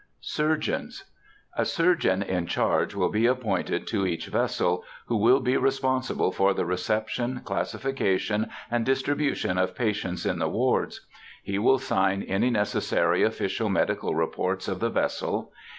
SURGEONS. A surgeon in charge will be appointed to each vessel, who will be responsible for the reception, classification, and distribution of patients in the wards. He will sign any necessary official medical reports of the vessel.